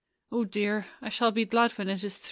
O dear! I shall be glad when it is through."